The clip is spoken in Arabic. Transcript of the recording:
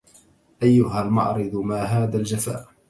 أيها المعرض ما هذا الجفاء